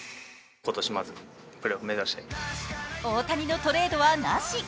大谷トレードはなし。